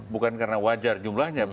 bukan karena wajar jumlahnya